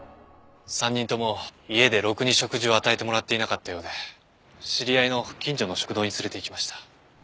３人とも家でろくに食事を与えてもらっていなかったようで知り合いの近所の食堂に連れて行きました。